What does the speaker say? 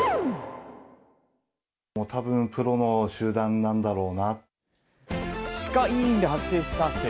たぶんプロの集団なんだろう